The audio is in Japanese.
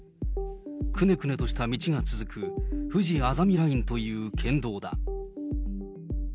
くねくねとした道が続く、ふじあざみラインという県道だ。